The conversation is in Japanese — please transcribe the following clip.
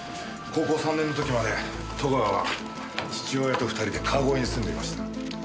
高校３年の時まで戸川は父親と２人で川越に住んでいました。